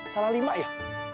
salah lima ya